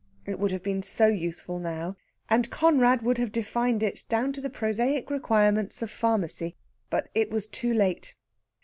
It would have been so useful now, and Conrad would have defined it down to the prosaic requirements of pharmacy. But it was too late!